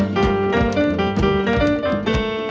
สวัสดีครับ